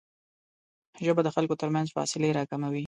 ژبه د خلکو ترمنځ فاصلې راکموي